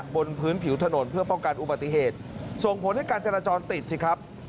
บนพื้นผิวถนนเพื่อป้องกันอุบัติเหตุส่งผลให้การจราจรติดสิครับ